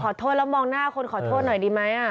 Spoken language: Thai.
ขอโทษแล้วมองหน้าคนขอโทษหน่อยดีไหม